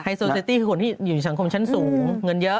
โซเซตี้คือคนที่อยู่ในสังคมชั้นสูงเงินเยอะ